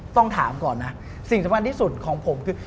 ต้องถามก่อนนะสิ่งสำคัญที่สุดของผมคือ